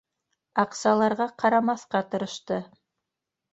Аҡсаларға ҡарамаҫҡа тырышты.